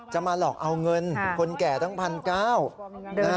มาหลอกเอาเงินคนแก่ทั้ง๑๙๐๐นะฮะ